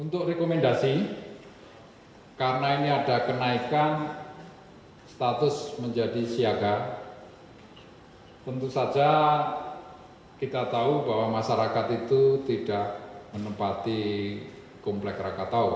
untuk rekomendasi karena ini ada kenaikan status menjadi siaga tentu saja kita tahu bahwa masyarakat itu tidak menempati komplek rakatau